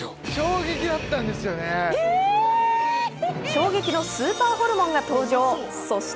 衝撃のスーパーホルモンが登場、そして